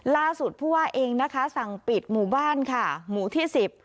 ล่าสุดผู้ว่าเองนะคะสั่งปิดหมู่บ้านค่ะหมู่ที่สิบ